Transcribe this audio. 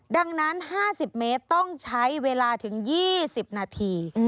ดังนั้น๕๐เมตรต้องใช้เวลาถึง๒๐นาที